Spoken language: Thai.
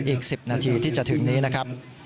อีก๑๐นาทีที่จะถึงนี้นะครับ